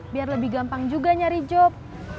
biar lebih gampang juga nyari job